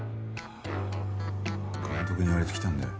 監督に言われて来たんだよ。